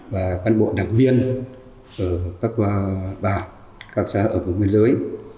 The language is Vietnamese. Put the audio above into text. và quan bộ đảng viên ở các bảng các xã hội ở vùng nguyên giới